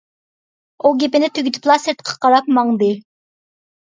ئۇ گېپىنى تۈگىتىپلا سىرتقا قاراپ ماڭدى.